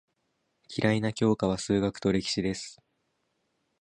嫌いな教科は数学と歴史です。